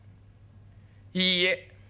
「いいえ。